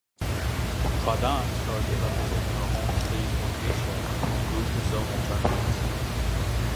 Pradhan started representing her home state Odisha in group zonal tournaments.